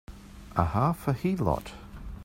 A half a heelot!